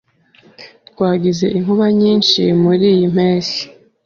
Twagize inkuba nyinshi muriyi mpeshyi.